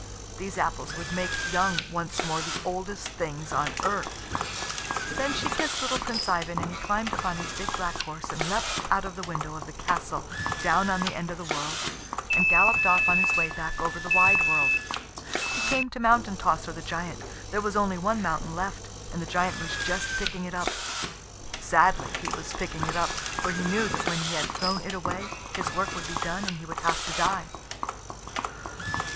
These apples would make young once more the oldest things on earth." Then she kissed little Prince Ivan, and he climbed up on his big black horse, and leapt out of the window of the castle down on the end of the world, and galloped off on his way back over the wide world. He came to Mountain tosser, the giant. There was only one mountain left, and the giant was just picking it up. Sadly he was picking it up, for he knew that when he had thrown it away his work would be done and he would have to die.